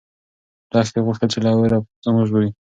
لښتې غوښتل چې له اوره ځان وژغوري.